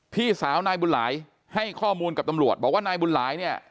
พี่สาวนายบุญหลายให้ข้อมูลกับตำรวจบอกว่านายบุญหลายเนี่ย